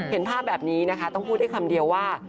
เห็นภาพแบบนี้นะคะต้องพูดได้คำเดียวว่า